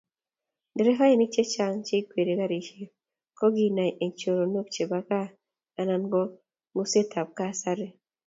nderefainik chechang cheikwerie karishek koginai eng choronok chebo gaa anan ko ngusetab kasari